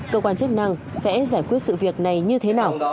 cơ quan chức năng sẽ giải quyết sự việc này như thế nào